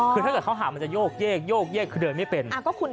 คือถ้าเกิดเขาหามันจะโยกเยกคือเดินไม่เป็น